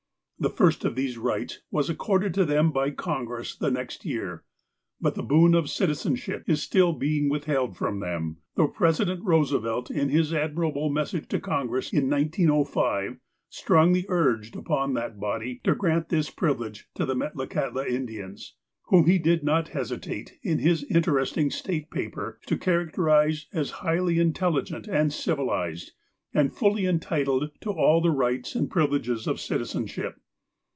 The first of these rights was accorded them by Congress the next year, but the boon of citizenship is still being withheld from them, though President Eoosevelt, in his admirable message to Congress in 1905, strongly urged upon that body to grant this privilege to the Metlakahtia Indians, whom he did not hesitate, in this interesting State pai)er, to characterize as highly intelligent and civilized, and fully entitled to all the rights and privi leges of citizenship.